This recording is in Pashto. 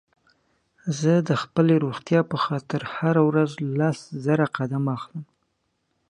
زه د خپلې روغتيا په خاطر هره ورځ لس زره قدمه اخلم